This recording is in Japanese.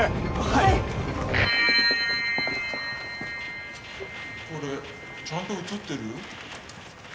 はいこれちゃんと映ってる？